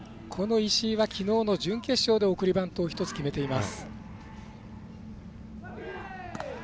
石井はきのうの準決勝で送りバントを１つ決めています。